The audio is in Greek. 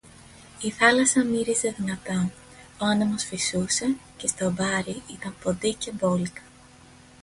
Η θάλασσα μύριζε δυνατά, ο άνεμος φυσούσε, και στο αμπάρι ήταν ποντίκια μπόλικα